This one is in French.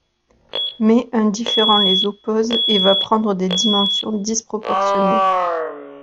Mais un différend les oppose et va prendre des dimensions disproportionnées.